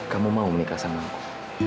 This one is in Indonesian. kamu mau menikah sama aku